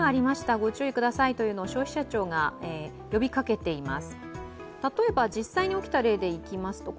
ご注意くださいというのを消費者庁が呼びかけています。